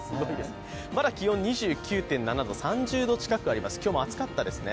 まだ気温２９．７度、３０度近くありましたね。